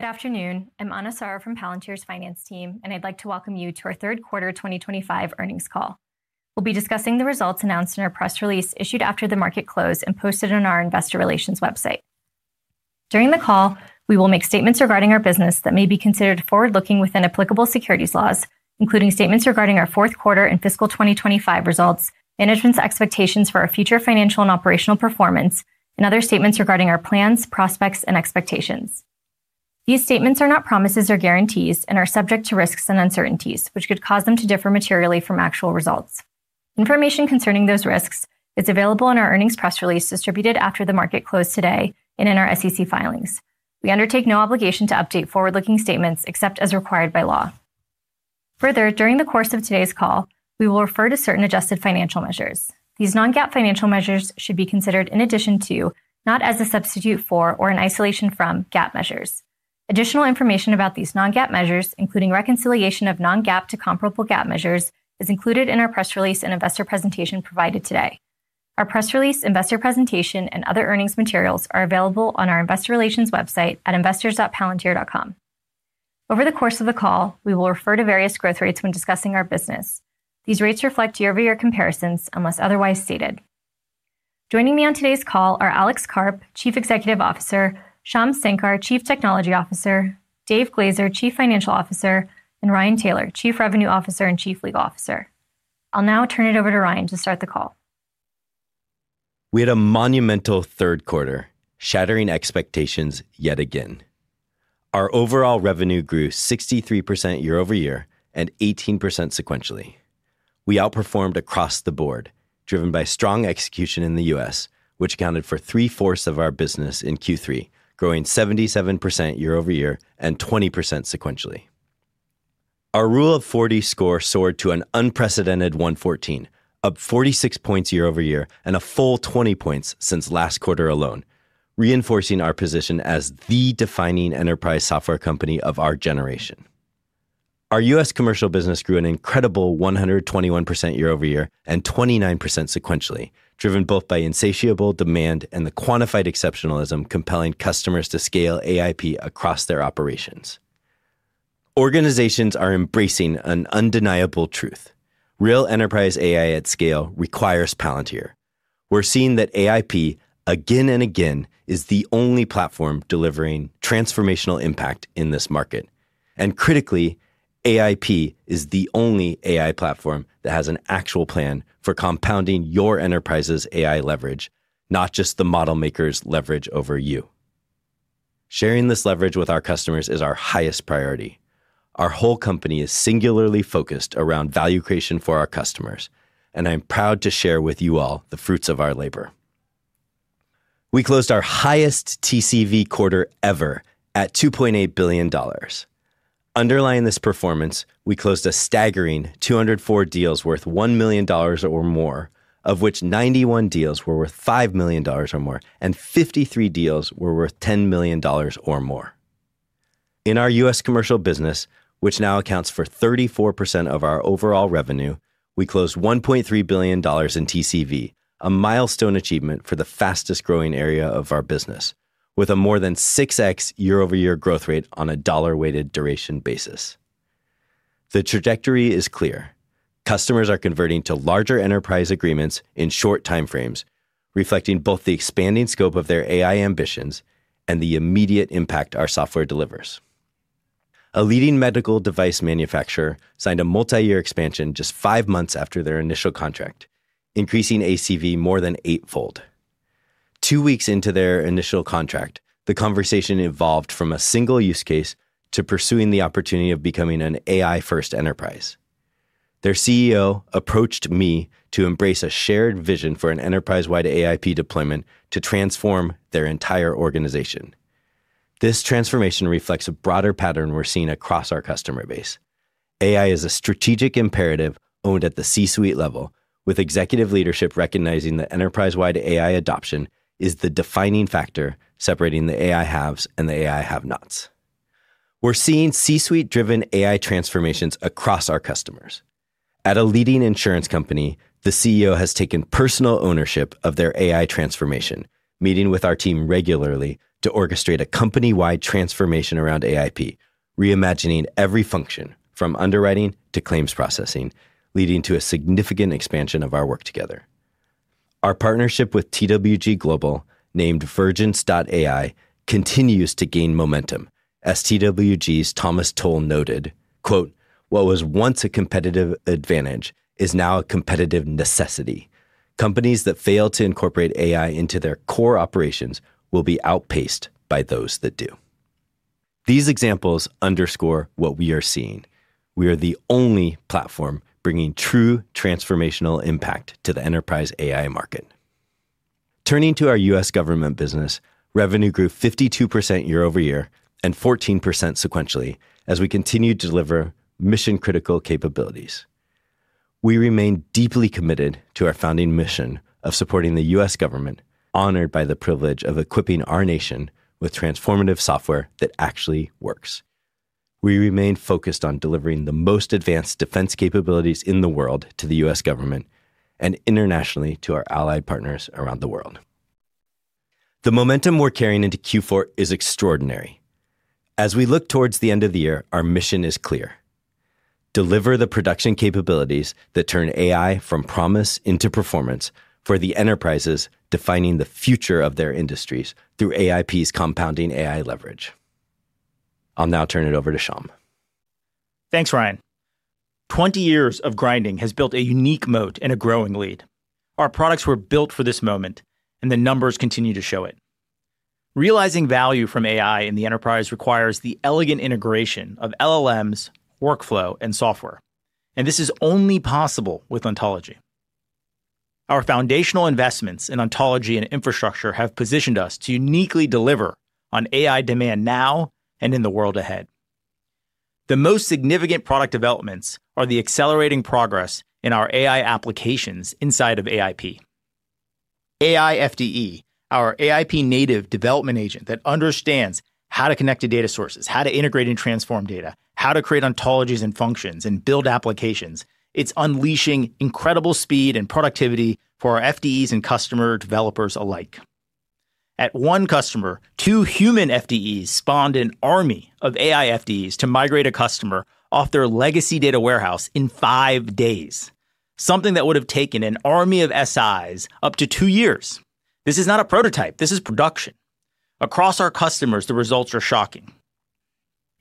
Good afternoon. I'm Ana Soro from Palantir's finance team, and I'd like to welcome you to our third quarter 2025 earnings call. We'll be discussing the results announced in our press release issued after the market closed and posted on our investor relations website. During the call, we will make statements regarding our business that may be considered forward-looking within applicable securities laws, including statements regarding our fourth quarter and fiscal 2025 results, management's expectations for our future financial and operational performance, and other statements regarding our plans, prospects, and expectations. These statements are not promises or guarantees and are subject to risks and uncertainties, which could cause them to differ materially from actual results. Information concerning those risks is available in our earnings press release distributed after the market closed today and in our SEC filings. We undertake no obligation to update forward-looking statements except as required by law. Further, during the course of today's call, we will refer to certain adjusted financial measures. These non-GAAP financial measures should be considered in addition to, not as a substitute for, or in isolation from, GAAP measures. Additional information about these non-GAAP measures, including reconciliation of non-GAAP to comparable GAAP measures, is included in our press release and investor presentation provided today. Our press release, investor presentation, and other earnings materials are available on our investor relations website at investors.palantir.com. Over the course of the call, we will refer to various growth rates when discussing our business. These rates reflect year-over-year comparisons unless otherwise stated. Joining me on today's call are Alex Karp, Chief Executive Officer; Shyam Sankar, Chief Technology Officer; Dave Glazer, Chief Financial Officer; and Ryan Taylor, Chief Revenue Officer and Chief Legal Officer. I'll now turn it over to Ryan to start the call. We had a monumental third quarter, shattering expectations yet again. Our overall revenue grew 63% year-over-year and 18% sequentially. We outperformed across the board, driven by strong execution in the U.S., which accounted for three-fourths of our business in Q3, growing 77% year-over-year and 20% sequentially. Our Rule of 40 score soared to an unprecedented 114%, up 46 points year-over-year and a full 20 points since last quarter alone, reinforcing our position as the defining enterprise software company of our generation. Our U.S. commercial business grew an incredible 121% year-over-year and 29% sequentially, driven both by insatiable demand and the quantified exceptionalism compelling customers to scale AIP across their operations. Organizations are embracing an undeniable truth: real enterprise AI at scale requires Palantir. We are seeing that AIP, again and again, is the only platform delivering transformational impact in this market. Critically, AIP is the only AI platform that has an actual plan for compounding your enterprise's AI leverage, not just the model maker's leverage over you. Sharing this leverage with our customers is our highest priority. Our whole company is singularly focused around value creation for our customers, and I am proud to share with you all the fruits of our labor. We closed our highest TCV quarter ever at $2.8 billion. Underlying this performance, we closed a staggering 204 deals worth $1 million or more, of which 91 deals were worth $5 million or more, and 53 deals were worth $10 million or more. In our U.S. commercial business, which now accounts for 34% of our overall revenue, we closed $1.3 billion in TCV, a milestone achievement for the fastest-growing area of our business, with a more than 6x year-over-year growth rate on a dollar-weighted duration basis. The trajectory is clear: customers are converting to larger enterprise agreements in short time frames, reflecting both the expanding scope of their AI ambitions and the immediate impact our software delivers. A leading medical device manufacturer signed a multi-year expansion just five months after their initial contract, increasing ACV more than eightfold. Two weeks into their initial contract, the conversation evolved from a single use case to pursuing the opportunity of becoming an AI-first enterprise. Their CEO approached me to embrace a shared vision for an enterprise-wide AIP deployment to transform their entire organization. This transformation reflects a broader pattern we are seeing across our customer base. AI is a strategic imperative owned at the C-suite level, with executive leadership recognizing that enterprise-wide AI adoption is the defining factor separating the AI haves and the AI have-nots. We are seeing C-suite-driven AI transformations across our customers. At a leading insurance company, the CEO has taken personal ownership of their AI transformation, meeting with our team regularly to orchestrate a company-wide transformation around AIP, reimagining every function from underwriting to claims processing, leading to a significant expansion of our work together. Our partnership with TWG Global, named Vergence.AI, continues to gain momentum. As TWG's Thomas Tull noted, "What was once a competitive advantage is now a competitive necessity. Companies that fail to incorporate AI into their core operations will be outpaced by those that do." These examples underscore what we are seeing: we are the only platform bringing true transformational impact to the enterprise AI market. Turning to our U.S. government business, revenue grew 52% year-over-year and 14% sequentially as we continued to deliver mission-critical capabilities. We remain deeply committed to our founding mission of supporting the U.S. government, honored by the privilege of equipping our nation with transformative software that actually works. We remain focused on delivering the most advanced defense capabilities in the world to the U.S. government and internationally to our allied partners around the world. The momentum we're carrying into Q4 is extraordinary. As we look towards the end of the year, our mission is clear. Deliver the production capabilities that turn AI from promise into performance for the enterprises defining the future of their industries through AIP's compounding AI leverage. I'll now turn it over to Shyam. Thanks, Ryan. Twenty years of grinding has built a unique moat and a growing lead. Our products were built for this moment, and the numbers continue to show it. Realizing value from AI in the enterprise requires the elegant integration of LLMs, workflow, and software, and this is only possible with Ontology. Our foundational investments in Ontology and infrastructure have positioned us to uniquely deliver on AI demand now and in the world ahead. The most significant product developments are the accelerating progress in our AI applications inside of AIP. AI FDE, our AIP-native development agent that understands how to connect to data sources, how to integrate and transform data, how to create ontologies and functions, and build applications, it's unleashing incredible speed and productivity for our FDEs and customer developers alike. At one customer, two human FDEs spawned an army of AI FDEs to migrate a customer off their legacy data warehouse in five days, something that would have taken an army of SIs up to two years. This is not a prototype. This is production. Across our customers, the results are shocking.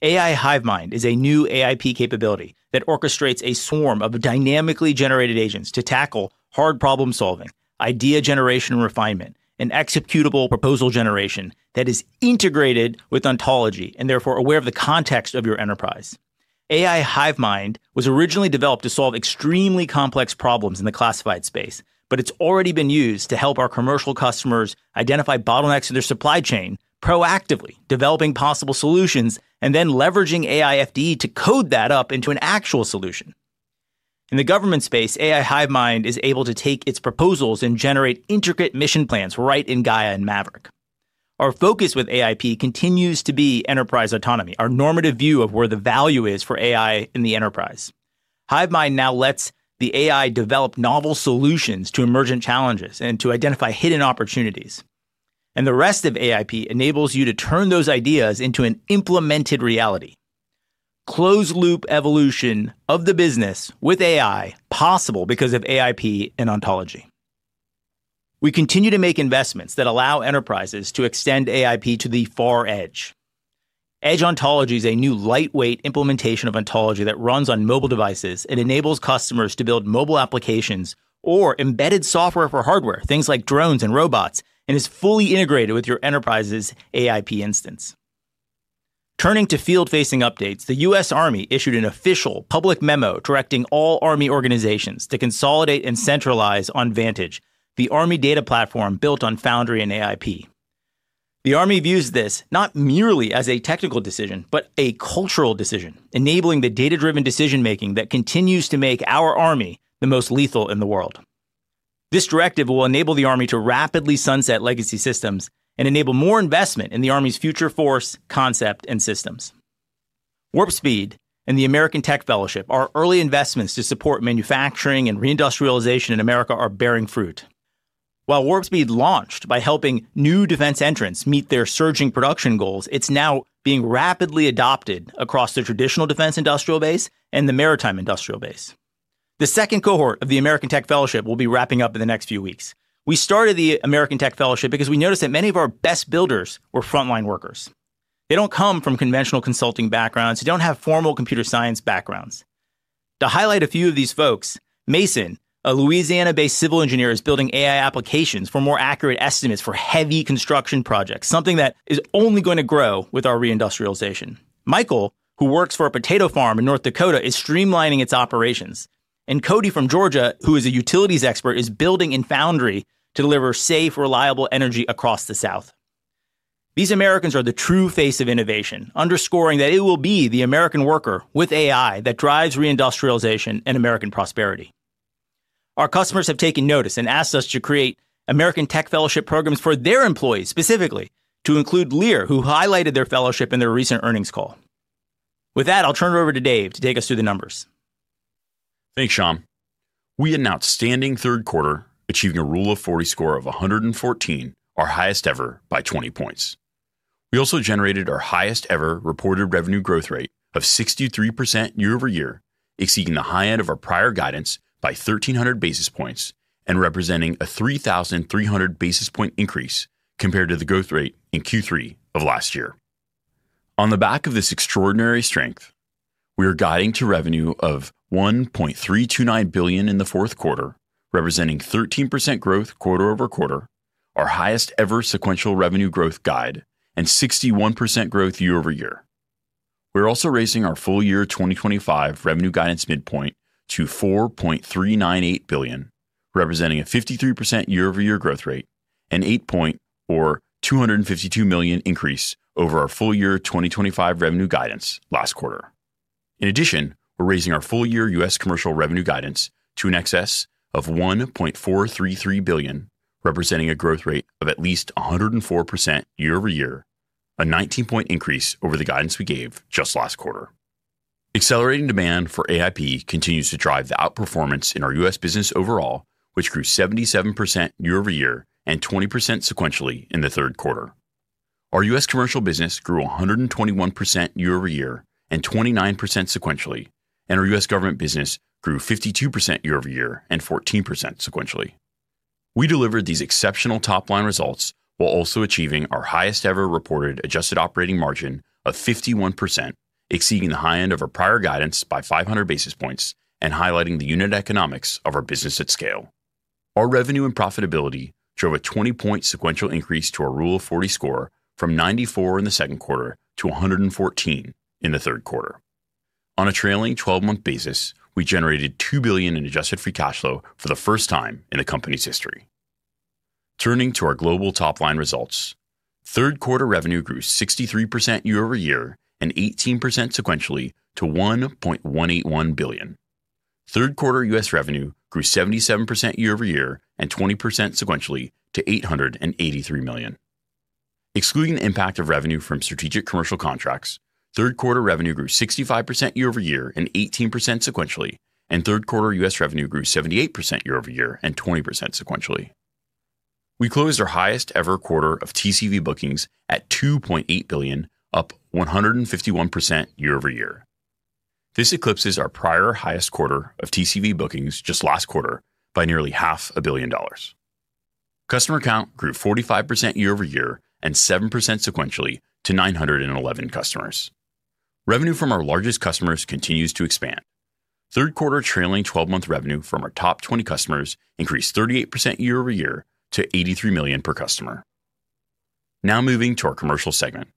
AI Hivemind is a new AIP capability that orchestrates a swarm of dynamically generated agents to tackle hard problem-solving, idea generation and refinement, and executable proposal generation that is integrated with Ontology and therefore aware of the context of your enterprise. AI Hivemind was originally developed to solve extremely complex problems in the classified space, but it's already been used to help our commercial customers identify bottlenecks in their supply chain, proactively developing possible solutions, and then leveraging AI FDE to code that up into an actual solution. In the government space, AI Hivemind is able to take its proposals and generate intricate mission plans right in Gaia and Maverick. Our focus with AIP continues to be enterprise autonomy, our normative view of where the value is for AI in the enterprise. Hivemind now lets the AI develop novel solutions to emergent challenges and to identify hidden opportunities. The rest of AIP enables you to turn those ideas into an implemented reality. Close-loop evolution of the business with AI possible because of AIP and Ontology. We continue to make investments that allow enterprises to extend AIP to the far edge. Edge Ontology is a new lightweight implementation of Ontology that runs on mobile devices and enables customers to build mobile applications or embedded software for hardware, things like drones and robots, and is fully integrated with your enterprise's AIP instance. Turning to field-facing updates, the U.S. Army issued an official public memo directing all Army organizations to consolidate and centralize on Vantage, the Army data platform built on Foundry and AIP. The Army views this not merely as a technical decision, but a cultural decision, enabling the data-driven decision-making that continues to make our Army the most lethal in the world. This directive will enable the Army to rapidly sunset legacy systems and enable more investment in the Army's future force, concept, and systems. Warp Speed and the American Tech Fellowship are early investments to support manufacturing and reindustrialization in America are bearing fruit. While Warp Speed launched by helping new defense entrants meet their surging production goals, it is now being rapidly adopted across the traditional defense industrial base and the maritime industrial base. The second cohort of the American Tech Fellowship will be wrapping up in the next few weeks. We started the American Tech Fellowship because we noticed that many of our best builders were frontline workers. They do not come from conventional consulting backgrounds. They do not have formal computer science backgrounds. To highlight a few of these folks, Mason, a Louisiana-based civil engineer, is building AI applications for more accurate estimates for heavy construction projects, something that is only going to grow with our reindustrialization. Michael, who works for a potato farm in North Dakota, is streamlining its operations. Cody from Georgia, who is a utilities expert, is building in Foundry to deliver safe, reliable energy across the South. These Americans are the true face of innovation, underscoring that it will be the American worker with AI that drives reindustrialization and American prosperity. Our customers have taken notice and asked us to create American Tech Fellowship programs for their employees, specifically to include Lear, who highlighted their fellowship in their recent earnings call. With that, I will turn it over to Dave to take us through the numbers. Thanks, Shyam. We had an outstanding third quarter, achieving a Rule of 40 score of 114%, our highest ever, by 20 points. We also generated our highest-ever reported revenue growth rate of 63% year-over-year, exceeding the high end of our prior guidance by 1,300 basis points and representing a 3,300 basis point increase compared to the growth rate in Q3 of last year. On the back of this extraordinary strength, we are guiding to revenue of $1.329 billion in the fourth quarter, representing 13% growth quarter-over-quarter, our highest-ever sequential revenue growth guide, and 61% growth year-over-year. We're also raising our full year 2025 revenue guidance midpoint to $4.398 billion, representing a 53% year-over-year growth rate and 8-point or $252 million increase over our full year 2025 revenue guidance last quarter. In addition, we're raising our full year U.S. commercial revenue guidance to an excess of $1.433 billion, representing a growth rate of at least 104% year-over-year, a 19-point increase over the guidance we gave just last quarter. Accelerating demand for AIP continues to drive the outperformance in our U.S. business overall, which grew 77% year-over-year and 20% sequentially in the third quarter. Our U.S. commercial business grew 121% year-over-year and 29% sequentially, and our U.S. government business grew 52% year-over-year and 14% sequentially. We delivered these exceptional top-line results while also achieving our highest-ever reported adjusted operating margin of 51%, exceeding the high end of our prior guidance by 500 basis points and highlighting the unit economics of our business at scale. Our revenue and profitability drove a 20-point sequential increase to our Rule of 40 score from 94% in the second quarter to 114% in the third quarter. On a trailing 12-month basis, we generated $2 billion in adjusted free cash flow for the first time in the company's history. Turning to our global top-line results, third quarter revenue grew 63% year-over-year and 18% sequentially to $1.181 billion. Third quarter U.S. revenue grew 77% year-over-year and 20% sequentially to $883 million. Excluding the impact of revenue from strategic commercial contracts, third quarter revenue grew 65% year-over-year and 18% sequentially, and third quarter U.S. revenue grew 78% year-over-year and 20% sequentially. We closed our highest-ever quarter of TCV bookings at $2.8 billion, up 151% year-over-year. This eclipses our prior highest quarter of TCV bookings just last quarter by nearly $500 million. Customer count grew 45% year-over-year and 7% sequentially to 911 customers. Revenue from our largest customers continues to expand. Third quarter trailing 12-month revenue from our top 20 customers increased 38% year-over-year to $83 million per customer. Now moving to our commercial segment.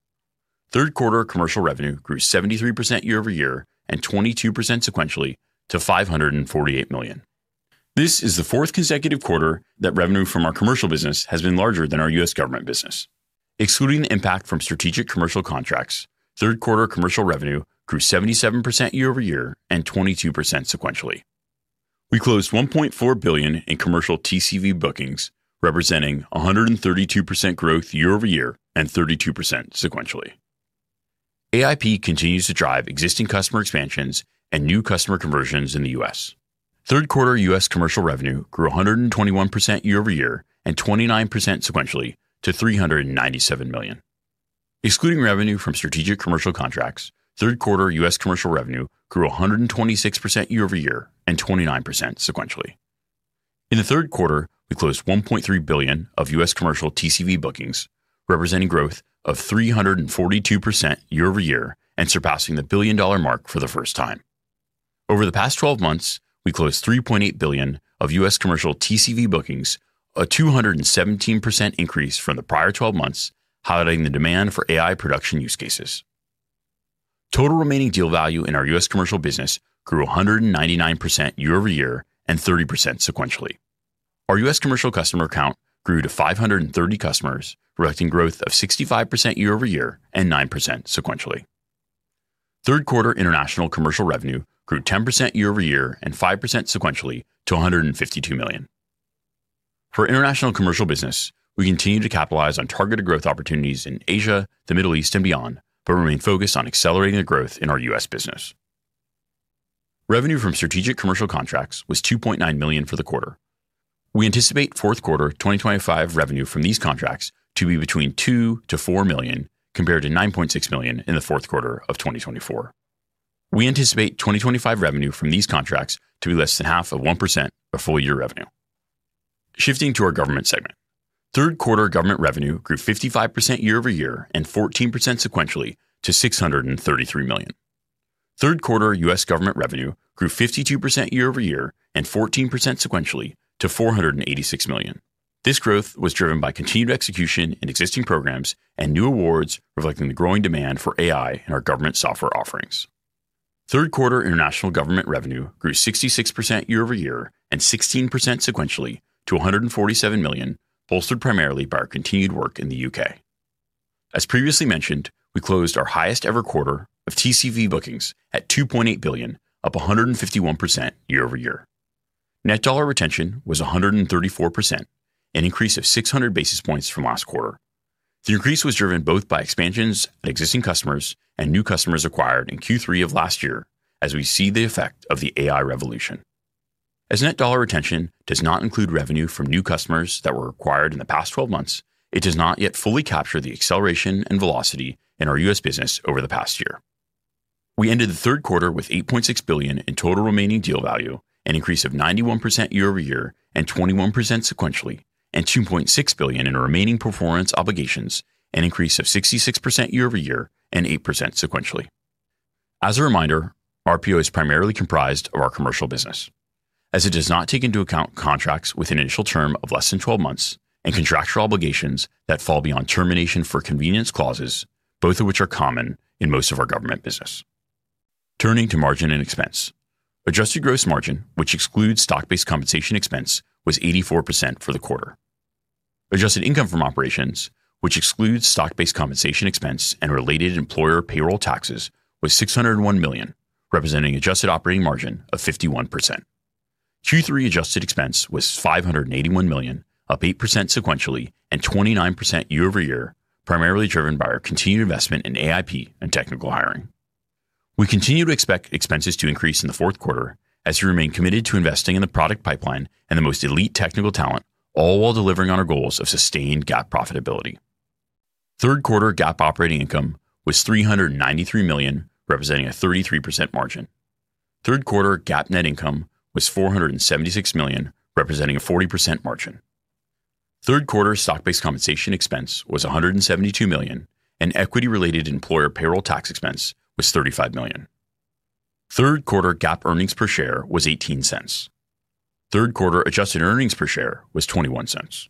Third quarter commercial revenue grew 73% year-over-year and 22% sequentially to $548 million. This is the fourth consecutive quarter that revenue from our commercial business has been larger than our U.S. government business. Excluding the impact from strategic commercial contracts, third quarter commercial revenue grew 77% year-over-year and 22% sequentially. We closed $1.4 billion in commercial TCV bookings, representing 132% growth year-over-year and 32% sequentially. AIP continues to drive existing customer expansions and new customer conversions in the U.S. Third quarter U.S. commercial revenue grew 121% year-over-year and 29% sequentially to $397 million. Excluding revenue from strategic commercial contracts, third quarter U.S. commercial revenue grew 126% year-over-year and 29% sequentially. In the third quarter, we closed $1.3 billion of U.S. commercial TCV bookings, representing growth of 342% year-over-year and surpassing the billion-dollar mark for the first time. Over the past 12 months, we closed $3.8 billion of U.S. commercial TCV bookings, a 217% increase from the prior 12 months, highlighting the demand for AI production use cases. Total remaining deal value in our U.S. commercial business grew 199% year-over-year and 30% sequentially. Our U.S. commercial customer count grew to 530 customers, directing growth of 65% year-over-year and 9% sequentially. Third quarter international commercial revenue grew 10% year-over-year and 5% sequentially to $152 million. For international commercial business, we continue to capitalize on targeted growth opportunities in Asia, the Middle East, and beyond, but remain focused on accelerating the growth in our U.S. business. Revenue from strategic commercial contracts was $2.9 million for the quarter. We anticipate fourth quarter 2025 revenue from these contracts to be between $2 million-$4 million compared to $9.6 million in the fourth quarter of 2024. We anticipate 2025 revenue from these contracts to be less than half of 1% of full year revenue. Shifting to our government segment, third quarter government revenue grew 55% year-over-year and 14% sequentially to $633 million. Third quarter U.S. government revenue grew 52% year-over-year and 14% sequentially to $486 million. This growth was driven by continued execution in existing programs and new awards reflecting the growing demand for AI in our government software offerings. Third quarter international government revenue grew 66% year-over-year and 16% sequentially to $147 million, bolstered primarily by our continued work in the U.K. As previously mentioned, we closed our highest-ever quarter of TCV bookings at $2.8 billion, up 151% year-over-year. Net dollar retention was 134%, an increase of 600 basis points from last quarter. The increase was driven both by expansions at existing customers and new customers acquired in Q3 of last year, as we see the effect of the AI revolution. As net dollar retention does not include revenue from new customers that were acquired in the past 12 months, it does not yet fully capture the acceleration and velocity in our U.S. business over the past year. We ended the third quarter with $8.6 billion in total remaining deal value, an increase of 91% year-over-year and 21% sequentially, and $2.6 billion in remaining performance obligations, an increase of 66% year-over-year and 8% sequentially. As a reminder, RPO is primarily comprised of our commercial business, as it does not take into account contracts with an initial term of less than 12 months and contractual obligations that fall beyond termination for convenience clauses, both of which are common in most of our government business. Turning to margin and expense, adjusted gross margin, which excludes stock-based compensation expense, was 84% for the quarter. Adjusted income from operations, which excludes stock-based compensation expense and related employer payroll taxes, was $601 million, representing adjusted operating margin of 51%. Q3 adjusted expense was $581 million, up 8% sequentially and 29% year-over-year, primarily driven by our continued investment in AIP and technical hiring. We continue to expect expenses to increase in the fourth quarter, as we remain committed to investing in the product pipeline and the most elite technical talent, all while delivering on our goals of sustained GAAP profitability. Third quarter GAAP operating income was $393 million, representing a 33% margin. Third quarter GAAP net income was $476 million, representing a 40% margin. Third quarter stock-based compensation expense was $172 million, and equity-related employer payroll tax expense was $35 million. Third quarter GAAP earnings per share was $0.18. Third quarter adjusted earnings per share was $0.21.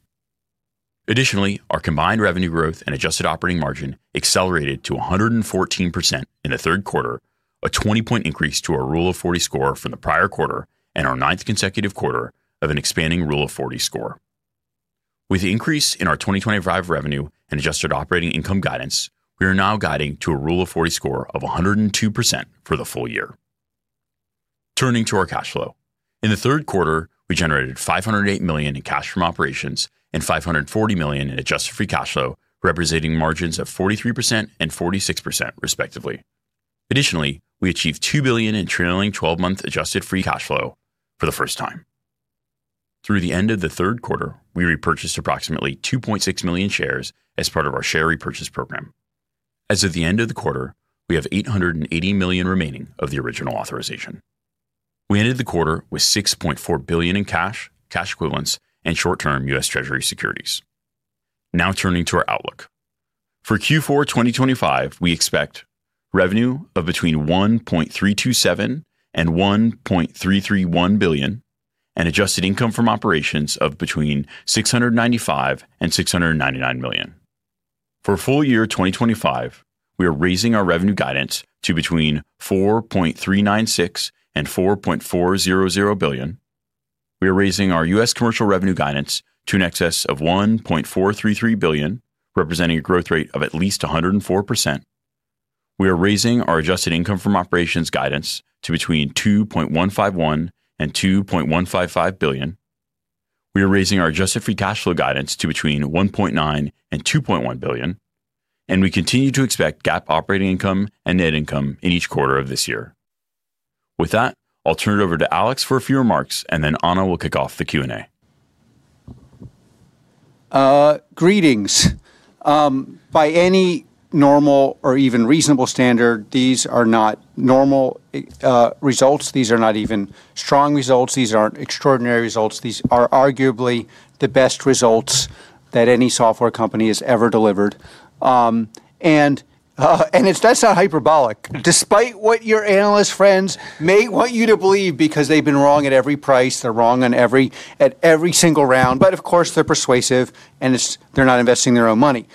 Additionally, our combined revenue growth and adjusted operating margin accelerated to 114% in the third quarter, a 20-point increase to our Rule of 40 score from the prior quarter and our ninth consecutive quarter of an expanding Rule of 40 score. With the increase in our 2025 revenue and adjusted operating income guidance, we are now guiding to a Rule of 40 score of 102% for the full year. Turning to our cash flow, in the third quarter, we generated $508 million in cash from operations and $540 million in adjusted free cash flow, representing margins of 43% and 46%, respectively. Additionally, we achieved $2 billion in trailing 12-month adjusted free cash flow for the first time. Through the end of the third quarter, we repurchased approximately 2.6 million shares as part of our share repurchase program. As of the end of the quarter, we have $880 million remaining of the original authorization. We ended the quarter with $6.4 billion in cash, cash equivalents, and short-term U.S. Treasury securities. Now turning to our outlook. For Q4 2025, we expect revenue of between $1.327 billion and $1.331 billion and adjusted income from operations of between $695 million and $699 million. For full year 2025, we are raising our revenue guidance to between $4.396 billion and $4.400 billion. We are raising our U.S. commercial revenue guidance to an excess of $1.433 billion, representing a growth rate of at least 104%. We are raising our adjusted income from operations guidance to between $2.151 billion and $2.155 billion. We are raising our adjusted free cash flow guidance to between $1.9 billion and $2.1 billion, and we continue to expect GAAP operating income and net income in each quarter of this year. With that, I'll turn it over to Alex for a few remarks, and then Ana will kick off the Q&A. Greetings. By any normal or even reasonable standard, these are not normal results. These are not even strong results. These aren't extraordinary results. These are arguably the best results that any software company has ever delivered. And that's not hyperbolic, despite what your analyst friends may want you to believe, because they've been wrong at every price. They're wrong at every single round, but of course, they're persuasive, and they're not investing their own money.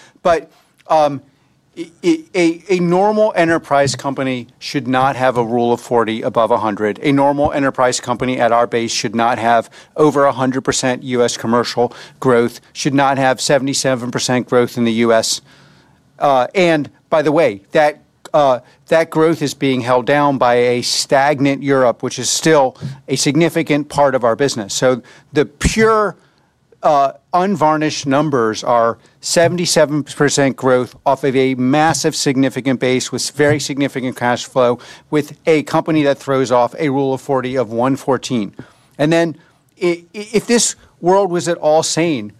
A normal enterprise company should not have a Rule of 40 above 100%. A normal enterprise company at our base should not have over 100% U.S. commercial growth, should not have 77% growth in the U.S. By the way, that growth is being held down by a stagnant Europe, which is still a significant part of our business. The pure, unvarnished numbers are 77% growth off of a massive, significant base with very significant cash flow with a company that throws off a Rule of 40 of 114%. If this world was at all sane,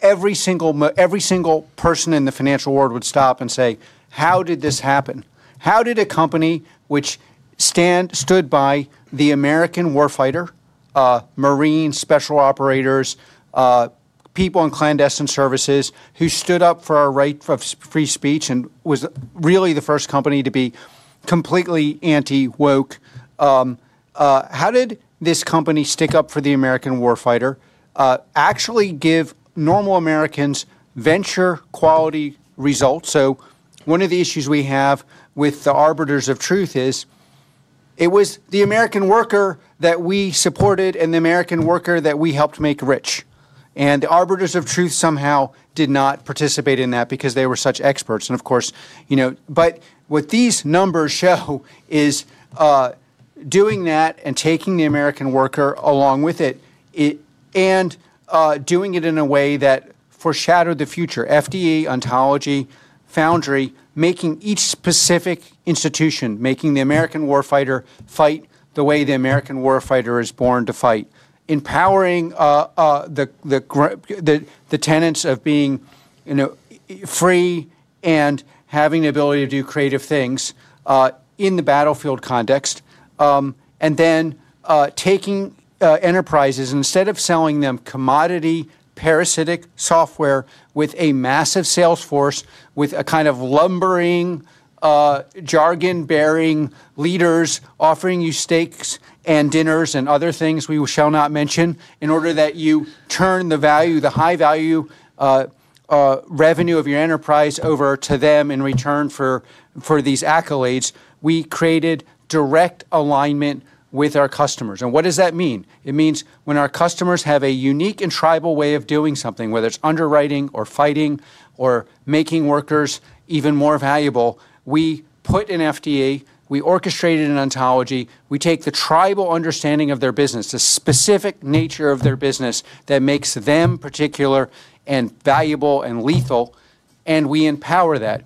every single person in the financial world would stop and say, "How did this happen? How did a company which stood by the American warfighter, Marine special operators, people in clandestine services, who stood up for our right of free speech and was really the first company to be completely anti-woke, how did this company stick up for the American warfighter, actually give normal Americans venture-quality results?" One of the issues we have with the arbiters of truth is it was the American worker that we supported and the American worker that we helped make rich. The arbiters of truth somehow did not participate in that because they were such experts. What these numbers show is doing that and taking the American worker along with it, and doing it in a way that foreshadowed the future. FDE, Ontology, Foundry, making each specific institution, making the American warfighter fight the way the American warfighter is born to fight, empowering the tenets of being free and having the ability to do creative things in the battlefield context, and then taking enterprises instead of selling them commodity parasitic software with a massive sales force, with a kind of lumbering, jargon-bearing leaders offering you steaks and dinners and other things we shall not mention in order that you turn the high value revenue of your enterprise over to them in return for these accolades, we created direct alignment with our customers. What does that mean? It means when our customers have a unique and tribal way of doing something, whether it's underwriting or fighting or making workers even more valuable, we put an FDE, we orchestrate an Ontology, we take the tribal understanding of their business, the specific nature of their business that makes them particular. Valuable and lethal, and we empower that.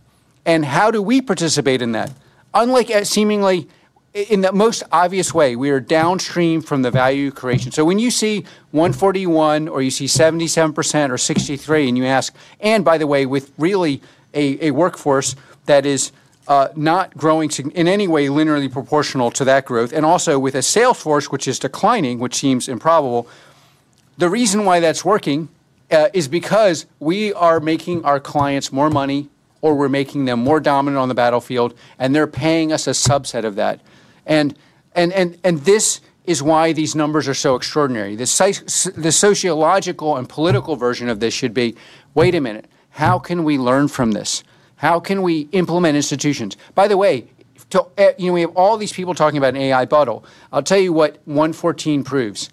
How do we participate in that? Unlike seemingly in the most obvious way, we are downstream from the value creation. When you see 141% or you see 77% or 63%, and you ask, and by the way, with really a workforce that is not growing in any way linearly proportional to that growth, and also with a sales force which is declining, which seems improbable, the reason why that's working is because we are making our clients more money or we're making them more dominant on the battlefield, and they're paying us a subset of that. This is why these numbers are so extraordinary. The sociological and political version of this should be, "Wait a minute, how can we learn from this? How can we implement institutions?" By the way, we have all these people talking about an AI model. I'll tell you what 114% proves.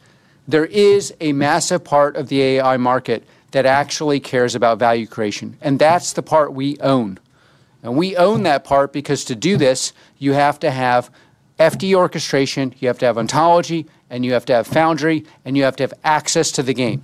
There is a massive part of the AI market that actually cares about value creation, and that's the part we own. We own that part because to do this, you have to have FDE orchestration, you have to have Ontology, and you have to have Foundry, and you have to have access to the game,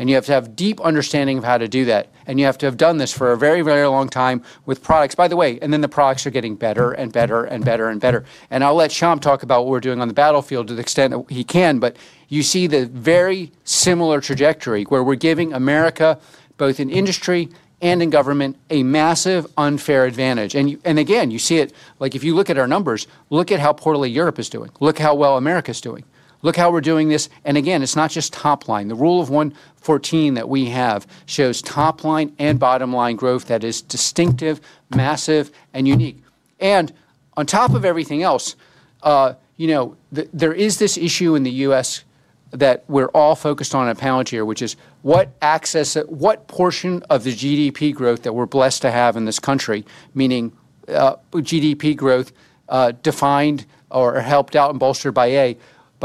and you have to have deep understanding of how to do that, and you have to have done this for a very, very long time with products. By the way, the products are getting better and better and better and better. I'll let Shyam talk about what we're doing on the battlefield to the extent that he can, but you see the very similar trajectory where we're giving America, both in industry and in government, a massive unfair advantage. You see it, like if you look at our numbers, look at how poorly Europe is doing, look how well America is doing, look how we're doing this. It's not just top line. The Rule of 114% that we have shows top line and bottom line growth that is distinctive, massive, and unique. On top of everything else, there is this issue in the U.S. that we're all focused on at Palantir, which is what portion of the GDP growth that we're blessed to have in this country, meaning GDP growth defined or helped out and bolstered by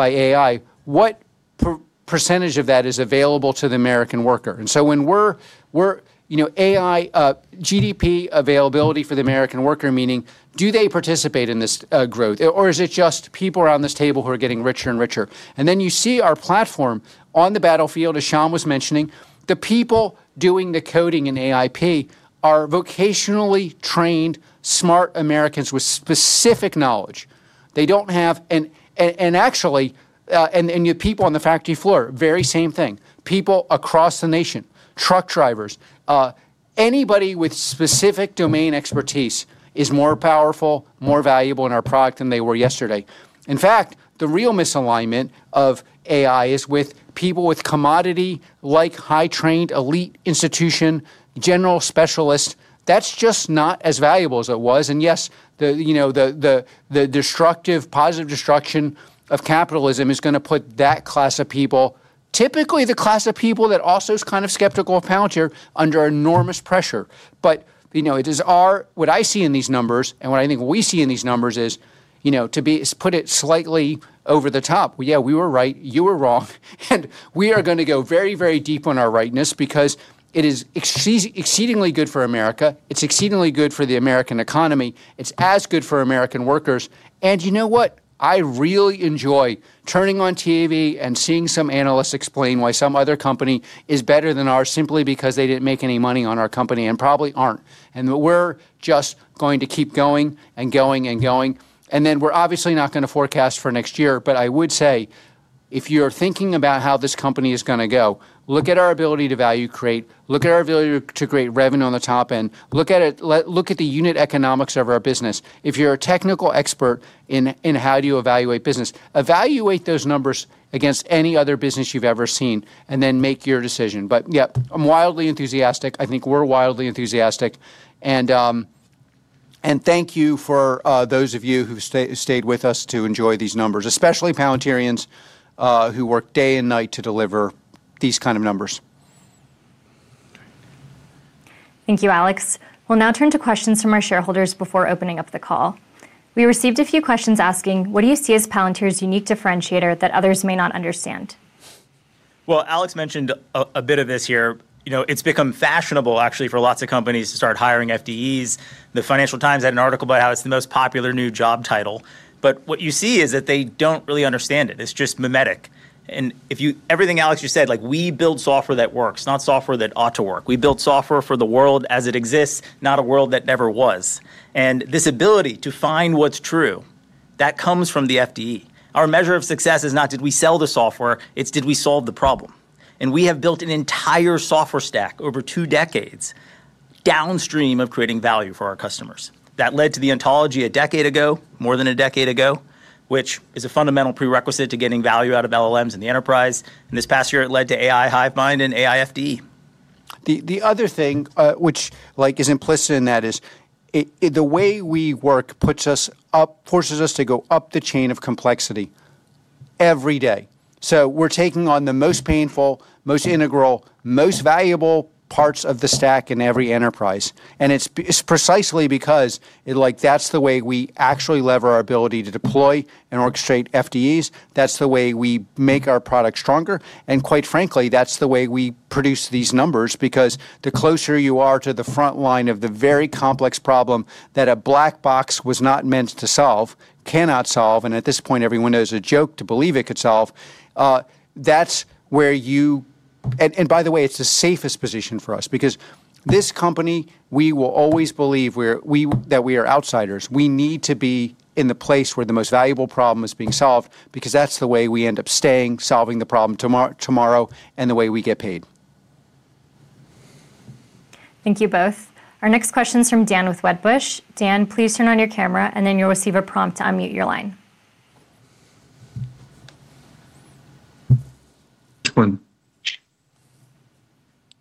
AI, what percentage of that is available to the American worker? When we're talking about AI GDP availability for the American worker, meaning do they participate in this growth, or is it just people around this table who are getting richer and richer? You see our platform on the battlefield, as Shyam was mentioning, the people doing the coding in AIP are vocationally trained smart Americans with specific knowledge. They don't have, and actually, the people on the factory floor, very same thing. People across the nation, truck drivers. Anybody with specific domain expertise is more powerful, more valuable in our product than they were yesterday. In fact, the real misalignment of AI is with people with commodity-like high-trained elite institution, general specialist. That's just not as valuable as it was. Yes. The destructive, positive destruction of capitalism is going to put that class of people, typically the class of people that also is kind of skeptical of Palantir, under enormous pressure. What I see in these numbers, and what I think we see in these numbers is, to put it slightly over the top, yeah, we were right, you were wrong, and we are going to go very, very deep on our rightness because it is exceedingly good for America. It's exceedingly good for the American economy. It's as good for American workers. You know what? I really enjoy turning on TV and seeing some analysts explain why some other company is better than ours, simply because they did not make any money on our company and probably are not. We are just going to keep going and going and going. We are obviously not going to forecast for next year, but I would say, if you're thinking about how this company is going to go, look at our ability to value create, look at our ability to create revenue on the top end, look at the unit economics of our business. If you're a technical expert in how do you evaluate business, evaluate those numbers against any other business you've ever seen and then make your decision. Yeah, I'm wildly enthusiastic. I think we're wildly enthusiastic. Thank you for those of you who stayed with us to enjoy these numbers, especially Palantirians who work day and night to deliver these kind of numbers. Thank you, Alex. We'll now turn to questions from our shareholders before opening up the call. We received a few questions asking, what do you see as Palantir's unique differentiator that others may not understand? Alex mentioned a bit of this here. It's become fashionable, actually, for lots of companies to start hiring FDEs. The Financial Times had an article about how it's the most popular new job title. What you see is that they do not really understand it. It's just memetic. Everything Alex just said, like we build software that works, not software that ought to work. We build software for the world as it exists, not a world that never was. This ability to find what's true, that comes from the FDE. Our measure of success is not did we sell the software, it's did we solve the problem. We have built an entire software stack over two decades downstream of creating value for our customers. That led to the Ontology a decade ago, more than a decade ago, which is a fundamental prerequisite to getting value out of LLMs and the enterprise. And this past year, it led to AI Hivemind and AI FDE. The other thing which is implicit in that is. The way we work forces us to go up the chain of complexity every day. We are taking on the most painful, most integral, most valuable parts of the stack in every enterprise. It is precisely because that is the way we actually lever our ability to deploy and orchestrate FDEs. That is the way we make our product stronger. And quite frankly, that is the way we produce these numbers because the closer you are to the front line of the very complex problem that a black box was not meant to solve, cannot solve, and at this point, everyone knows it is a joke to believe it could solve, that is where you. By the way, it is the safest position for us because this company, we will always believe that we are outsiders. We need to be in the place where the most valuable problem is being solved because that is the way we end up staying, solving the problem tomorrow, and the way we get paid. Thank you both. Our next question is from Dan with Wedbush. Dan, please turn on your camera, and then you will receive a prompt to unmute your line. With the actually.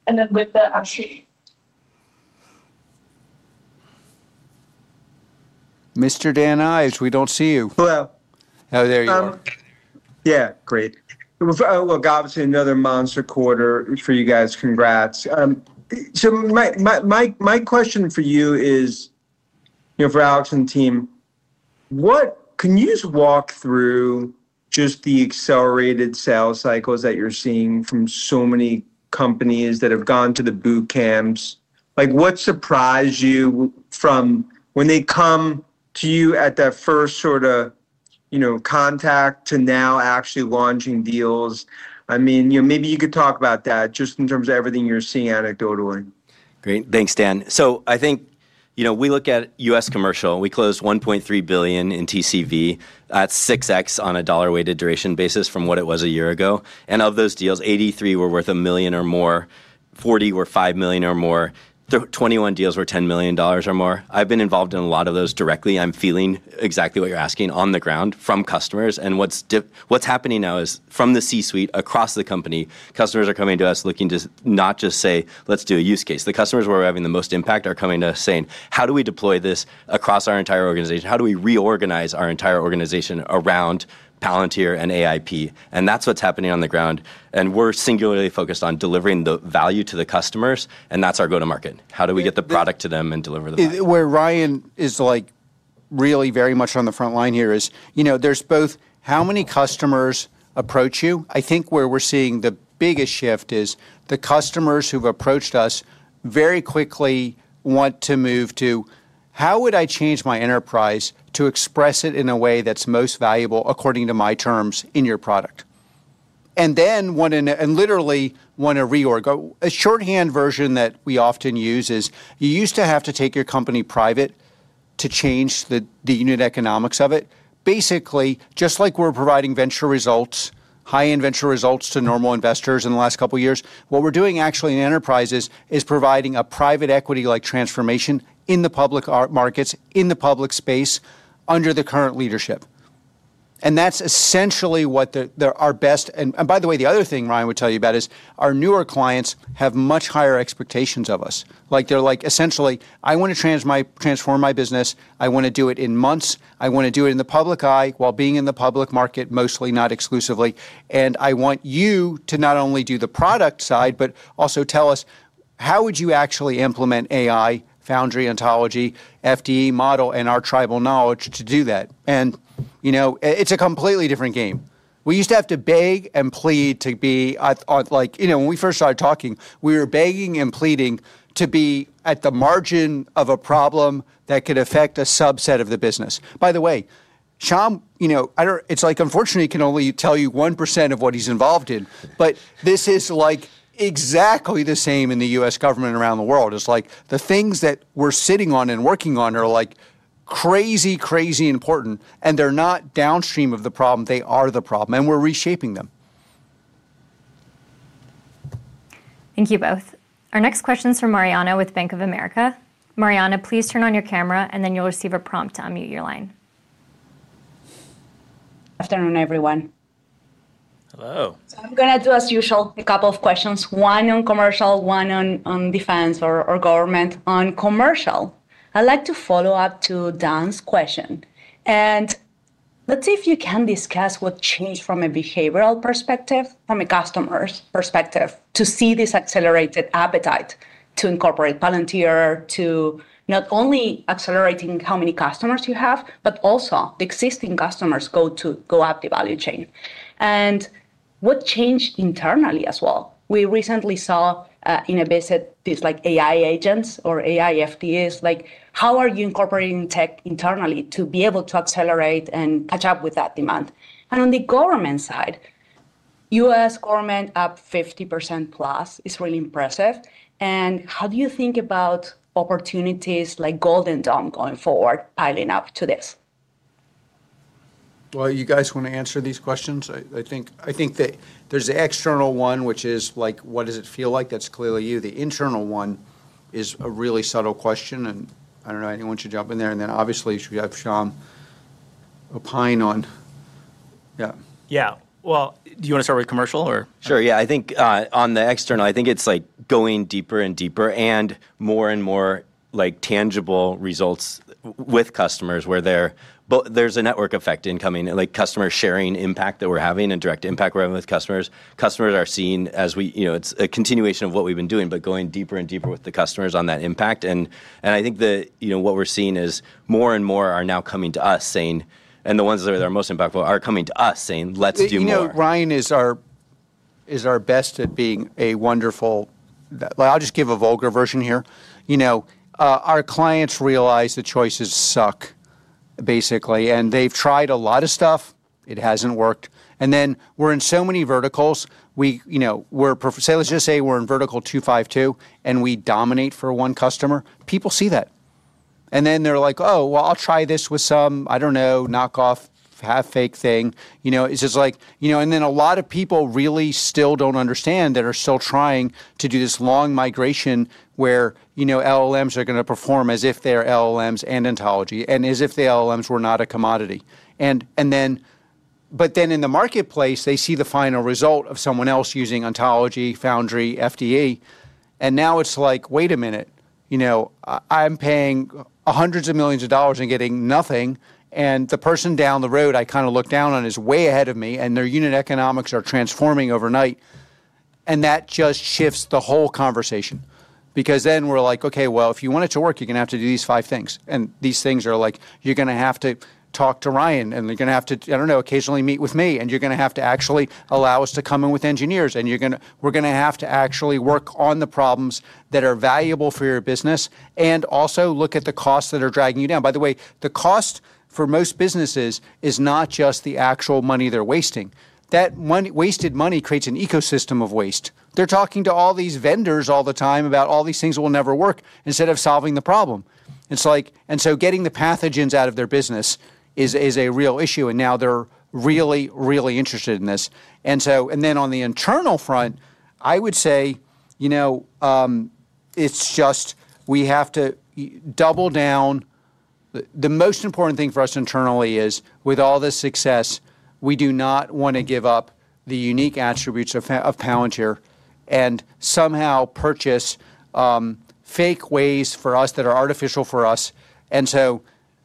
Mr. Dan Ives, we do not see you. Hello. Oh, there you are. Yeah. Great. Obviously, another monster quarter for you guys. Congrats. My question for you is. For Alex and team, can you just walk through just the accelerated sales cycles that you are seeing from so many companies that have gone to the boot camps? What surprised you from when they come to you at that first sort of contact to now actually launching deals? I mean, maybe you could talk about that just in terms of everything you are seeing anecdotally. Great. Thanks, Dan. I think we look at U.S. commercial. We closed $1.3 billion in TCV. That is 6x on a dollar-weighted duration basis from what it was a year ago. Of those deals, 83 were worth $1 million or more, 40 were $5 million or more, 21 deals were $10 million or more. I have been involved in a lot of those directly. I am feeling exactly what you are asking on the ground from customers. What is happening now is from the C-suite across the company, customers are coming to us looking to not just say, "Let us do a use case." The customers where we are having the most impact are coming to us saying, "How do we deploy this across our entire organization? How do we reorganize our entire organization around Palantir and AIP?" That is what is happening on the ground. We are singularly focused on delivering the value to the customers, and that is our go-to-market. How do we get the product to them and deliver the product? Where Ryan is really very much on the front line here is there is both how many customers approach you. I think where we're seeing the biggest shift is the customers who've approached us very quickly want to move to, "How would I change my enterprise to express it in a way that's most valuable according to my terms in your product?" and literally want to reorg. A shorthand version that we often use is you used to have to take your company private to change the unit economics of it. Basically, just like we're providing venture results, high-end venture results to normal investors in the last couple of years, what we're doing actually in enterprises is providing a private equity-like transformation in the public markets, in the public space under the current leadership. And that's essentially what our best. By the way, the other thing Ryan would tell you about is our newer clients have much higher expectations of us. They're like, essentially, "I want to transform my business. I want to do it in months. I want to do it in the public eye while being in the public market, mostly not exclusively. I want you to not only do the product side, but also tell us how would you actually implement AI, Foundry, Ontology, FDE model, and our tribal knowledge to do that." It's a completely different game. We used to have to beg and plead to be. When we first started talking, we were begging and pleading to be at the margin of a problem that could affect a subset of the business. By the way, Shyam, it's like unfortunately, he can only tell you 1% of what he's involved in, but this is exactly the same in the U.S. government and around the world. The things that we're sitting on and working on are crazy, crazy important, and they're not downstream of the problem. They are the problem, and we're reshaping them. Thank you both. Our next question is from Mariana with Bank of America. Mariana, please turn on your camera, and then you'll receive a prompt to unmute your line. Afternoon, everyone. Hello. I'm going to do, as usual, a couple of questions, one on commercial, one on defense or government. On commercial, I'd like to follow up to Dan's question. Let's see if you can discuss what changed from a behavioral perspective, from a customer's perspective, to see this accelerated appetite to incorporate Palantir, to not only accelerating how many customers you have, but also the existing customers go up the value chain. What changed internally as well? We recently saw in a visit these AI agents or AI FDEs, how are you incorporating tech internally to be able to accelerate and catch up with that demand? On the government side, U.S. government up 50%+, it's really impressive. How do you think about opportunities like Golden Dome going forward piling up to this? You guys want to answer these questions? I think. There's the external one, which is like, what does it feel like? That's clearly you. The internal one is a really subtle question. I don't know, anyone should jump in there. Obviously, you should have Shyam opine on. Yeah. Do you want to start with commercial or? Sure. I think on the external, I think it's like going deeper and deeper and more and more tangible results with customers where there's a network effect incoming, like customers sharing impact that we're having and direct impact we're having with customers. Customers are seeing, as it's a continuation of what we've been doing, but going deeper and deeper with the customers on that impact. I think what we're seeing is more and more are now coming to us saying, and the ones that are most impactful are coming to us saying, "Let's do more." Ryan is our best at being a wonderful. I'll just give a vulgar version here. Our clients realize the choices suck, basically. They've tried a lot of stuff. It hasn't worked. We're in so many verticals. Say let's just say we're in vertical two five two, and we dominate for one customer. People see that. They're like, "Oh, well, I'll try this with some, I don't know, knockoff, half-fake thing." It's just like, a lot of people really still don't understand that are still trying to do this long migration where LLMs are going to perform as if they're LLMs and Ontology and as if the LLMs were not a commodity. In the marketplace, they see the final result of someone else using Ontology, Foundry, FDE. Now it's like, "Wait a minute. I'm paying hundreds of millions of dollars and getting nothing. The person down the road I kind of look down on is way ahead of me, and their unit economics are transforming overnight." That just shifts the whole conversation. Because we're like, "Okay, if you want it to work, you're going to have to do these five things." These things are like, "You're going to have to talk to Ryan, and you're going to have to, I don't know, occasionally meet with me, and you're going to have to actually allow us to come in with engineers, and we're going to have to actually work on the problems that are valuable for your business and also look at the costs that are dragging you down." By the way, the cost for most businesses is not just the actual money they're wasting. That wasted money creates an ecosystem of waste. They're talking to all these vendors all the time about all these things that will never work instead of solving the problem. Getting the pathogens out of their business is a real issue, and now they're really, really interested in this. On the internal front, I would say. It's just we have to double down. The most important thing for us internally is, with all this success, we do not want to give up the unique attributes of Palantir and somehow purchase fake ways for us that are artificial for us.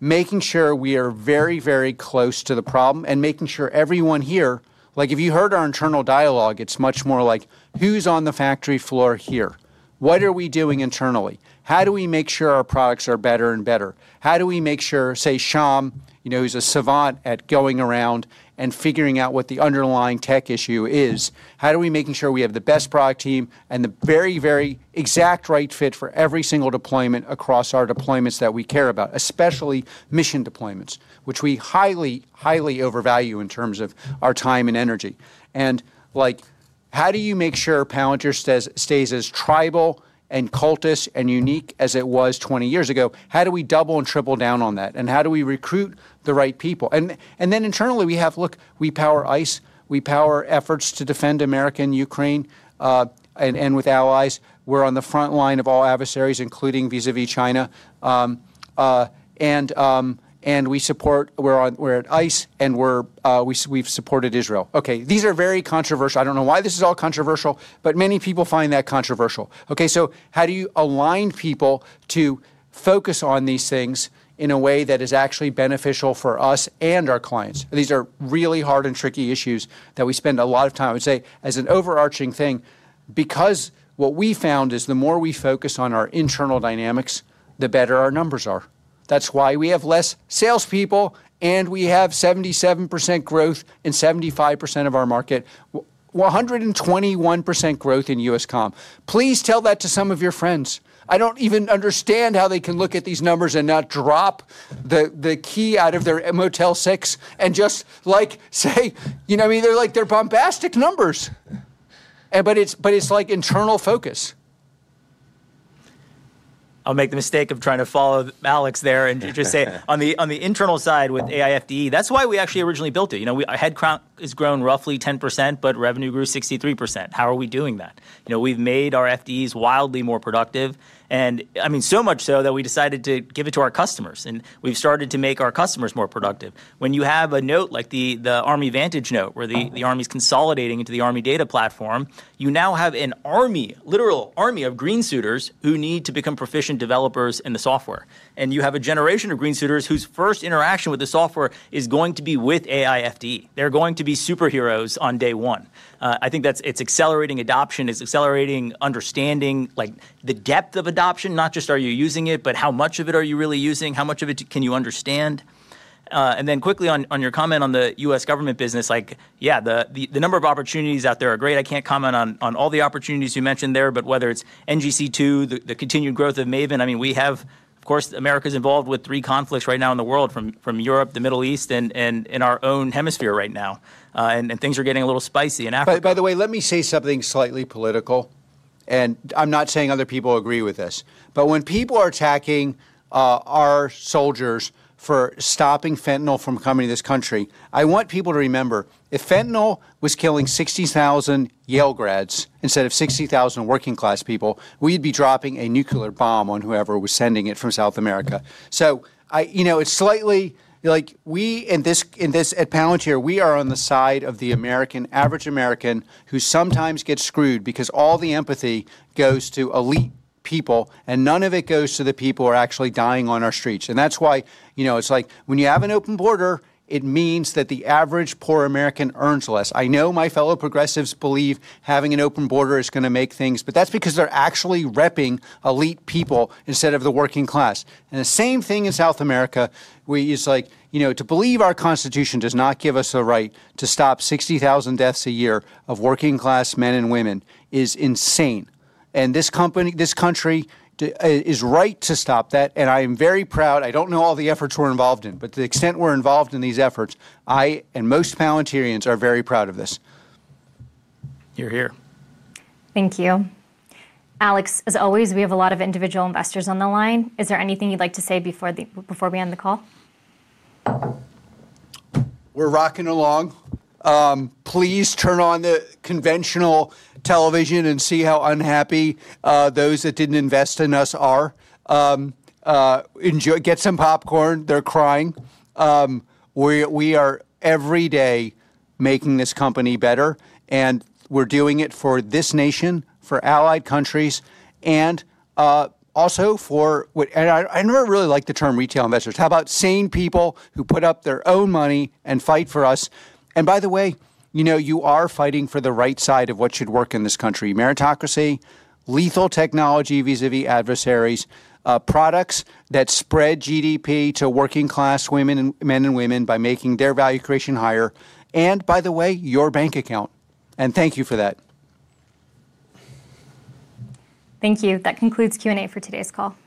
Making sure we are very, very close to the problem and making sure everyone here, like if you heard our internal dialogue, it's much more like, "Who's on the factory floor here? What are we doing internally? How do we make sure our products are better and better? How do we make sure, say, Shyam, who's a savant at going around and figuring out what the underlying tech issue is? How do we make sure we have the best product team and the very, very exact right fit for every single deployment across our deployments that we care about, especially mission deployments, which we highly, highly overvalue in terms of our time and energy? How do you make sure Palantir stays as tribal and cultist and unique as it was 20 years ago? How do we double and triple down on that? How do we recruit the right people? Then internally, we have, look, we power ICE. We power efforts to defend America and Ukraine. With allies, we're on the front line of all adversaries, including vis-à-vis China. We support, we're at ICE, and we've supported Israel. Okay. These are very controversial. I do not know why this is all controversial, but many people find that controversial. Okay. How do you align people to focus on these things in a way that is actually beneficial for us and our clients? These are really hard and tricky issues that we spend a lot of time. I would say as an overarching thing, because what we found is the more we focus on our internal dynamics, the better our numbers are. That's why we have fewer salespeople, and we have 77% growth in 75% of our market. 121% growth in U.S. comp. Please tell that to some of your friends. I do not even understand how they can look at these numbers and not drop the key out of their Motel 6 and just say, you know what I mean? They're bombastic numbers. It's like internal focus. I'll make the mistake of trying to follow Alex there and just say, on the internal side with AI FDE, that's why we actually originally built it. Our headcount has grown roughly 10%, but revenue grew 63%. How are we doing that? We've made our FDEs wildly more productive. I mean, so much so that we decided to give it to our customers. We've started to make our customers more productive. When you have a note like the Army Vantage note where the Army is consolidating into the Army Data Platform, you now have an army, literal army of green suiters who need to become proficient developers in the software. You have a generation of green suiters whose first interaction with the software is going to be with AI FDE. They're going to be superheroes on day one. I think it's accelerating adoption, it's accelerating understanding, the depth of adoption, not just are you using it, but how much of it are you really using, how much of it can you understand. Quickly on your comment on the U.S. government business, the number of opportunities out there are great. I can't comment on all the opportunities you mentioned there, but whether it's NGC2, the continued growth of Maven, we have, of course, America is involved with three conflicts right now in the world from Europe, the Middle East, and in our own hemisphere right now. Things are getting a little spicy. By the way, let me say something slightly political. I'm not saying other people agree with this. When people are attacking our soldiers for stopping fentanyl from coming to this country, I want people to remember, if fentanyl was killing 60,000 Yale grads instead of 60,000 working-class people, we'd be dropping a nuclear bomb on whoever was sending it from South America. It's slightly, like we in this at Palantir, we are on the side of the average American who sometimes gets screwed because all the empathy goes to elite people, and none of it goes to the people who are actually dying on our streets. That's why it's like when you have an open border, it means that the average poor American earns less. I know my fellow progressives believe having an open border is going to make things, but that's because they're actually repping elite people instead of the working class. The same thing in South America is like, to believe our Constitution does not give us the right to stop 60,000 deaths a year of working-class men and women is insane. This country is right to stop that. I am very proud. I don't know all the efforts we're involved in, but to the extent we're involved in these efforts, I and most Palantirians are very proud of this. You're here. Thank you. Alex, as always, we have a lot of individual investors on the line. Is there anything you'd like to say before we end the call? We're rocking along. Please turn on the conventional television and see how unhappy those that didn't invest in us are. Get some popcorn. They're crying. We are every day making this company better, and we're doing it for this nation, for allied countries, and also for, and I never really liked the term retail investors. How about seeing people who put up their own money and fight for us? By the way, you are fighting for the right side of what should work in this country: meritocracy, lethal technology vis-à-vis adversaries, products that spread GDP to working-class men and women by making their value creation higher. By the way, your bank account. Thank you for that. Thank you. That concludes Q&A for today's call.